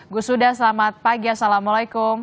gusuda selamat pagi assalamualaikum